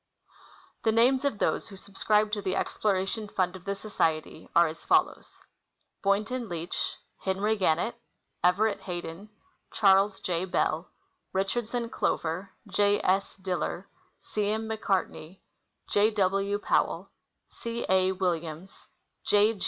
The names of those who subscribed to the exploration fund of the Society are as follows : Boynton Leach. Henry Gannett. Everett Hayden. Charles J. Bell. Richardson Clover. J. S. Diller. C. M. McCarteney. ' J. W. Powell. C. A. Williams. J.